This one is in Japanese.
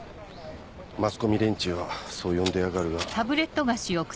マスコミ連中はそう呼んでやがるが。